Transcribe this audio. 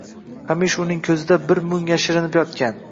hamisha uning ko’zida bir mung” yashirinib yotgan.